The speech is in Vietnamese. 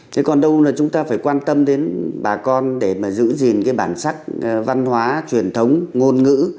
thế còn đâu là chúng ta phải quan tâm đến bà con để mà giữ gìn cái bản sắc văn hóa truyền thống ngôn ngữ